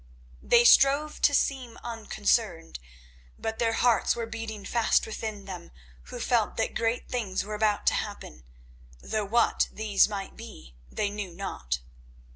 They strove to seem unconcerned, but their hearts were beating fast within them who felt that great things were about to happen, though what these might be they knew not.